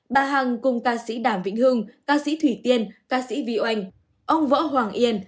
bà hằng cùng ca sĩ đàm vĩnh hưng ca sĩ thủy tiên ca sĩ vy oanh ông võ hoàng yên